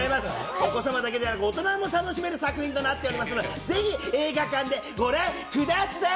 お子さんだけでなく大人も楽しめる作品となっていますので、ぜひ映画館でご覧ください！